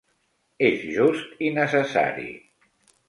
És just i necessari.